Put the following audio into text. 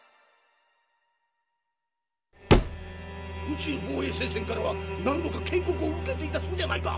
宇宙防衛戦線からは何度か警告を受けていたそうじゃないか！